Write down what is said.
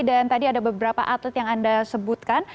dan tadi ada beberapa atlet yang anda sebutkan